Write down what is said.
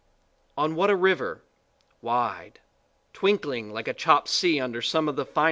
On what a river; wide twinkling like a chopped sea under some of the fines!